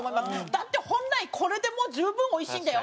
だって本来これでもう十分美味しいんだよ。